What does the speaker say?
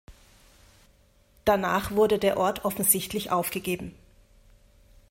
Danach wurde der Ort offensichtlich aufgegeben.